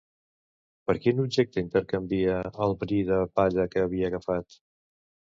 Per quin objecte intercanvia el bri de palla que havia agafat?